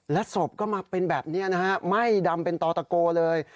ศพก็มาเป็นแบบนี้นะฮะไหม้ดำเป็นต่อตะโกเลย